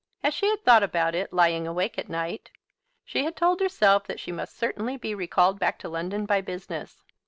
As she had thought about it, lying awake at night, she had told herself that she must certainly be recalled back to London by business.